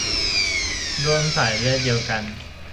ร่วมสายเลือดเดียวกัน